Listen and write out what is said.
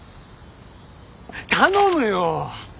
頼むよ。